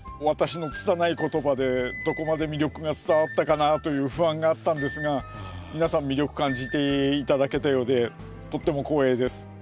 私のつたない言葉でどこまで魅力が伝わったかなという不安があったんですが皆さん魅力感じて頂けたようでとっても光栄です。